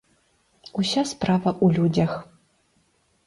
Уся справа ў людзях!